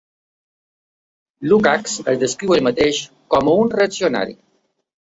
Lukacs es descriu a ell mateix com un reaccionari.